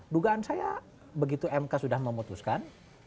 dugaan saya begitu mk sudah memutuskan